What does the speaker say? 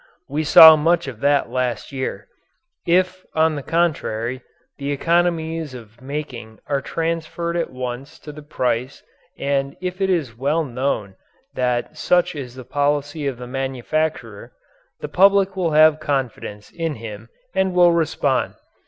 We saw much of that last year. If, on the contrary, the economies of making are transferred at once to the price and if it is well known that such is the policy of the manufacturer, the public will have confidence in him and will respond.